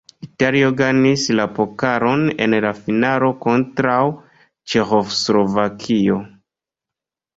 Italio gajnis la pokalon en la finalo kontraŭ Ĉeĥoslovakio.